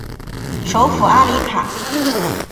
首府阿里卡。